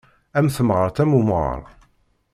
Am temɣart am umɣar.